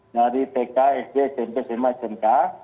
dari pk sd cmk cmk